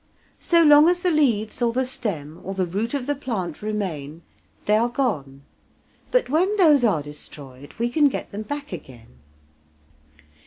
So long as the leaves or the stem or the root of the plant remain they are gone, but when those are destroyed we can get them back again.